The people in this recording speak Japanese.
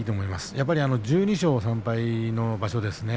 やはり１２勝３敗の場所ですね。